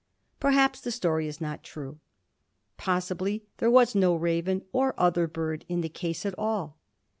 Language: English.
Perhaps the story is not true. Pos sibly there was no raven or other bird in the case at all.